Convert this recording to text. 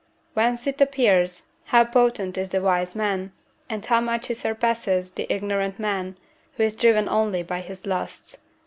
Whence it appears, how potent is the wise man, and how much he surpasses the ignorant man, who is driven only by his lusts.